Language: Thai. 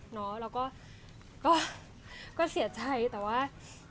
เนาะแล้วก็เสียใจแต่ว่า